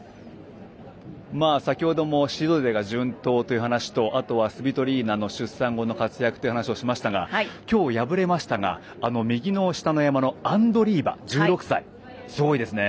先ほどもシード勢が順調という話とあとはスビトリーナの出産後の活躍の話もしましたが今日敗れましたが右の下の山のアンドリーバ、１６歳すごいですね。